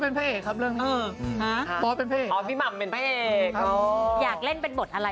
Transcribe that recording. ที่เรียกเลยท่านม่ำ